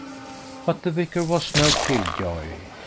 But the vicar was no kill joy.